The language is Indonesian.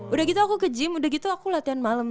udah gitu aku ke gym udah gitu aku latihan malam